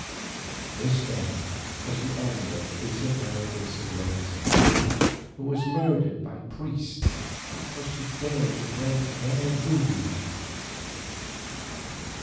This then was the end of Isabella de Siguenza who was murdered by priests because she had dared to break their rule.